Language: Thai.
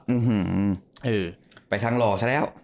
อืมเออไปทางหล่อซะแล้ว